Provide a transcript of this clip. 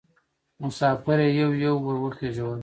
مسافر یې یو یو ور وخېژول.